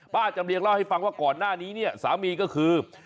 จำเรียงเล่าให้ฟังว่าก่อนหน้านี้เนี่ยสามีก็คือ